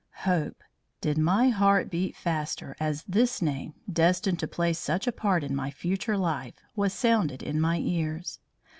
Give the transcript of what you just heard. Hope! Did my heart beat faster as this name, destined to play such a part in my future life, was sounded in my ears?